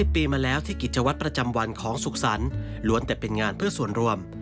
ปีมาแล้วที่กิจวัตรประจำวันของสุขสรรค์ล้วนแต่เป็นงานเพื่อส่วนรวม